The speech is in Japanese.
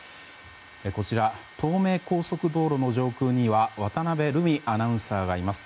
こちら東名高速道路の上空には渡辺瑠海アナウンサーがいます。